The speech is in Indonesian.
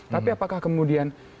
tapi apakah kemudian